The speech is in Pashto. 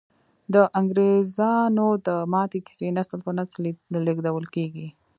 د انګریزامو د ماتې کیسې نسل په نسل لیږدول کیږي.